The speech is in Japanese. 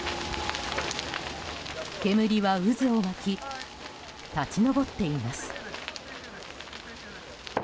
煙は渦を巻き立ち上っています。